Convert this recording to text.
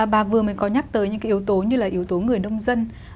bà vừa mới có nhắc tới những cái yếu tố như là yếu tố người nông dân